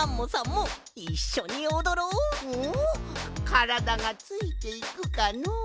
からだがついていくかのう？